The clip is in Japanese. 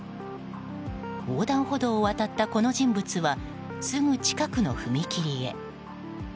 横断歩道を渡った、この人物はすぐ近くの踏切へ。